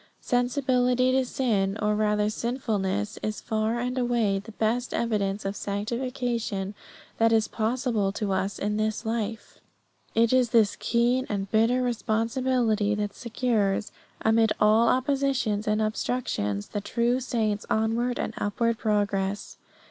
Sensibility to sin, or rather to sinfulness, is far and away the best evidence of sanctification that is possible to us in this life. It is this keen and bitter sensibility that secures, amid all oppositions and obstructions, the true saint's onward and upward progress.